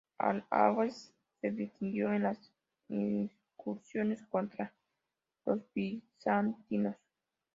Al-Abbás se distinguió en las incursiones contra los bizantinos.